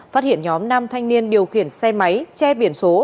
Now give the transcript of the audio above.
phát hiện nhóm nam thanh niên điều khiển xe máy che biển số